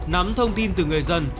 nắm thông tin từ người dân